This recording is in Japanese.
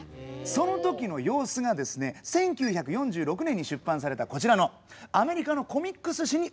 その時の様子が１９４６年に出版されたこちらのアメリカのコミックス誌に収められています。